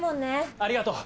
ありがとう。